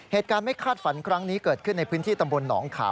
เหตุการณ์ไม่คาดฝันครั้งนี้เกิดขึ้นในพื้นที่ตำบลหนองขาว